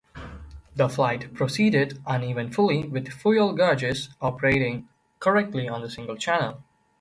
That flight proceeded uneventfully with fuel gauges operating correctly on the single channel.